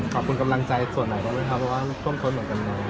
ขอบคุณกำลังใจส่วนไหนบ้างไหมครับเพราะว่าท่วมท้นเหมือนกันนะ